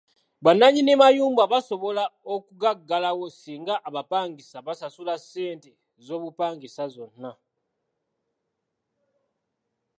Bannannyini mayumba basobola okugaggawala singa abapangisa basasula ssente z'obupangisa zonna.